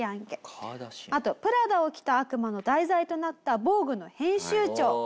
あと『プラダを着た悪魔』の題材となった『ＶＯＧＵＥ』の編集長